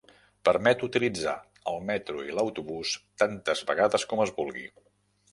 Permet utilitzar el metro i l'autobús tantes vegades com es vulgui.